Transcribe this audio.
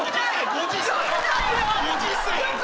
ご時世。